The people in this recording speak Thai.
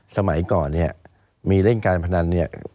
สมัยก่อนเนี่ยมีเล่นการพนันเนี่ย